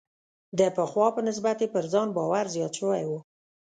د پخوا په نسبت یې پر ځان باور زیات شوی و.